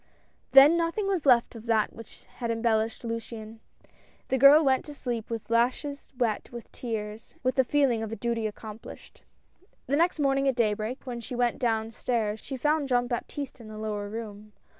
Then nothing was left of that which had embellished Luciane. The girl went to sleep with lashes wet with tears, and with the feeling of a duty accomplished. The next morning, at daybreak, when she went down stairs, she found Jean Baptiste in the lower room.